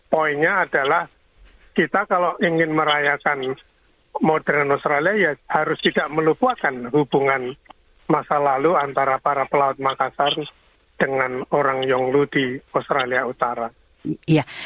poinnya adalah kita kalau ingin merayakan modern australia ya harus tidak melupuaskan hubungan masa lalu antara para pelaut makassar dengan orang yonglu di australia utara